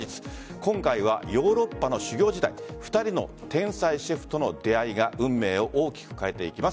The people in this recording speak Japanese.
今回はヨーロッパの修業時代２人の天才シェフとの出会いが運命を大きく変えていきます。